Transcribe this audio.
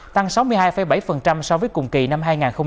tăng sáu mươi hai bảy so với cùng kỳ năm hai nghìn hai mươi hai